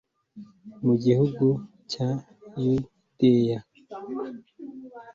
mu gihugu cya yudeya